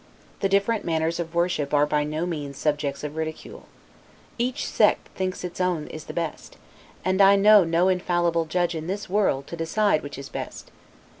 The different manners of worship are by no means subjects of ridicule. Each sect thinks its own is the best; and I know no infallible judge in this world, to decide which is the best.